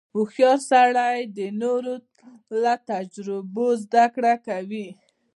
• هوښیار سړی د نورو له تجربو زدهکړه کوي.